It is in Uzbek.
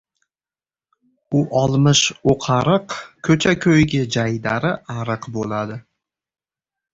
U olmish o‘qariq ko‘cha-ko‘ygi jaydari ariq bo‘ladi.